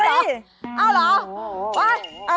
เอาเหรอ